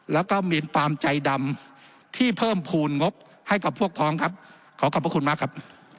แล้วก็มีความใจดำที่เพิ่มภูมิงบให้กับพวกพ้องครับขอขอบพระคุณมากครับ